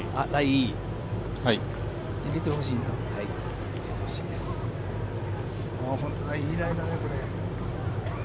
いいライだね、これ。